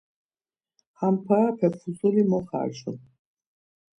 Ham parape fuzuli mo xarcum.